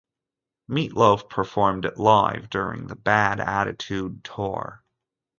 Meat Loaf performed it live during the "Bad Attitude" tour.